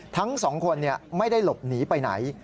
ทั้งสองคนไม่ได้หลบหนีไปไหน